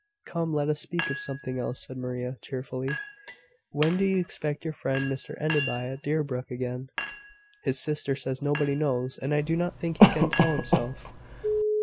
"Come, let us speak of something else," said Maria, cheerfully. "When do you expect your friend, Mr Enderby, at Deerbrook again?" "His sister says nobody knows; and I do not think he can tell himself.